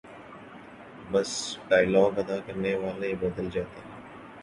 بس ڈائیلاگ ادا کرنے والے بدل جاتے ہیں۔